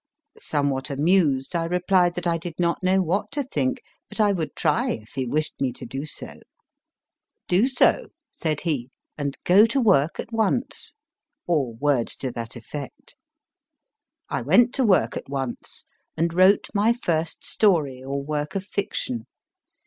Somewhat amused, I replied that I did not know what to think, but I would try if he wished me to do so. . M. BALLANTYNE 155 ( Do so, said he, and go to work at once or words to that effect. I went to work at once, and wrote my first story or work of fiction.